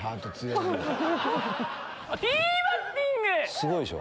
すごいでしょ？